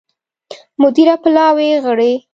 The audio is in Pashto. مدیره پلاوي غړي